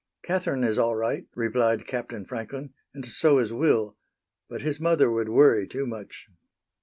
"Catherine is all right," replied Captain Franklin, "and so is Will, but his mother would worry too much."